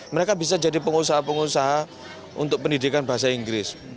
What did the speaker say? mereka bisa jadi pengusaha pengusaha untuk pendidikan bahasa inggris